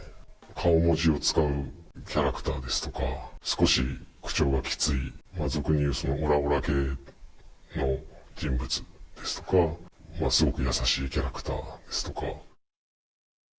顔文字を使うキャラクターですとか、少し口調がきつい、俗にいうオラオラ系の人物ですとか、すごく優しいキャラクターですとか。